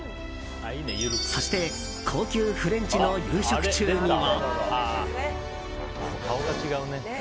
そして高級フレンチの夕食中には。